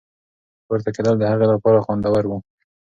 پورته کېدل د هغې لپاره خوندور وو.